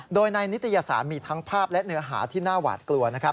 โดยในนิทยาศาสตร์มีทั้งภาพและเนื้อหาที่หน้าหวาดกลัว